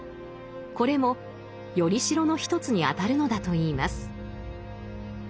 これも依代の一つにあたるのだといいます。